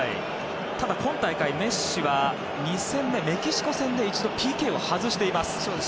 ただ今大会メッシは２戦目メキシコ戦で一度、ＰＫを外しています。